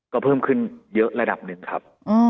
ก็เพิ่มขึ้นเยอะระดับหนึ่งครับ